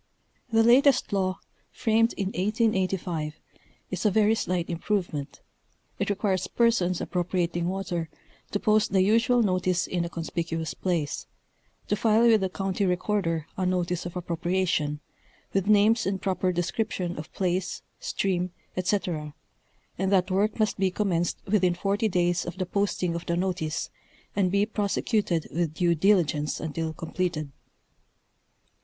The latest law, framed in 1885, is a very slight improvement ; it requires persons appropriating water, to post the usual notice in a conspicuous place ; to file with the county recorder a notice of appropriation, with names and proper description of place, stream, etc., and that work. must be commenced within forty days of the posting of the notice and be prosecuted with due diligence until completed.